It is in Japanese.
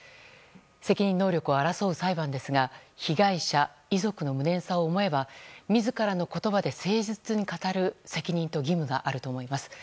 責任能力を争う裁判ですが被害者、遺族の無念さを思えば自らの言葉で誠実に語る責任と義務があると思います。